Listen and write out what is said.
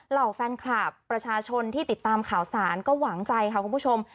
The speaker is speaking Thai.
เหล่าแฟนคลับประชาชนที่ติดตามข่าวสารก็หวังใจค่ะคุณผู้ชม